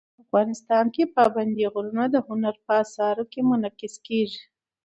افغانستان کې پابندی غرونه د هنر په اثار کې منعکس کېږي.